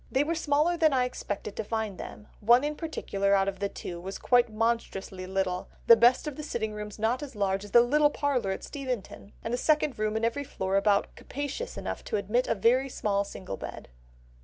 They were smaller than I expected to find them; one in particular out of the two was quite monstrously little; the best of the sitting rooms not as large as the little parlour at Steventon, and the second room in every floor about capacious enough to admit a very small single bed."